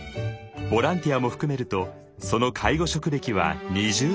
ボランティアも含めるとその介護職歴は２０年以上！